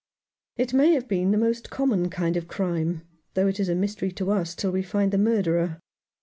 "It may have been the most common kind of crime, though it is a mystery to us till we find the murderer.